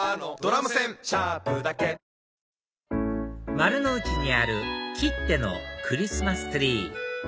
丸の内にあるＫＩＴＴＥのクリスマスツリー